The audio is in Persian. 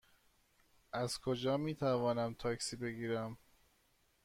از کجا می توانم تاکسی بگیرم؟